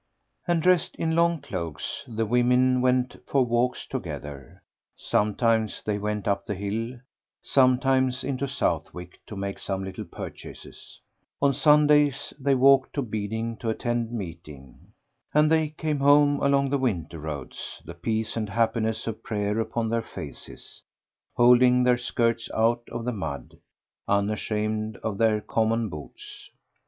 And, dressed in long cloaks, the women went for walks together; sometimes they went up the hill, sometimes into Southwick to make some little purchases. On Sundays they walked to Beeding to attend meeting. And they came home along the winter roads, the peace and happiness of prayer upon their faces, holding their skirts out of the mud, unashamed of their common boots.